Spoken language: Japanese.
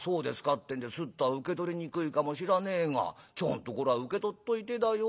ってんでスッとは受け取りにくいかもしらねえが今日のところは受け取っといてだよ